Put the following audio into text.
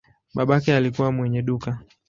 Babake alikuwa mwenye duka.